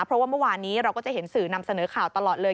เพราะว่าเมื่อวานนี้เราก็จะเห็นสื่อนำเสนอข่าวตลอดเลย